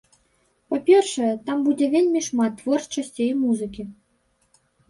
Па-першае, там будзе вельмі шмат творчасці і музыкі.